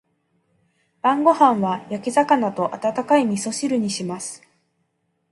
晩ご飯は焼き魚と温かい味噌汁にします。